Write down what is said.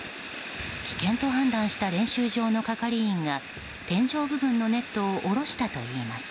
危険と判断した練習場の係員が天井部分のネットを下ろしたといいます。